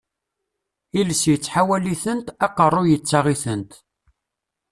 Iles yettḥawal-itent, aqerruy yettaɣ-itent.